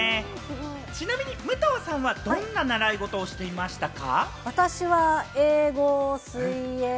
ちなみに武藤さんはどんな習い事をしていましたか？